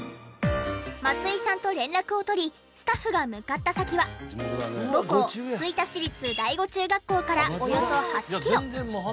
松井さんと連絡を取りスタッフが向かった先は母校吹田市立第五中学校からおよそ８キロ。